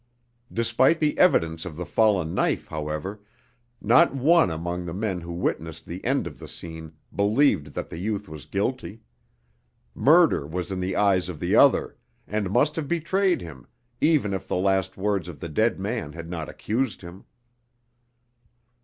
Despite the evidence of the fallen knife, however, not one among the men who witnessed the end of the scene believed that the youth was guilty. Murder was in the eyes of the other, and must have betrayed him, even if the last words of the dead man had not accused him.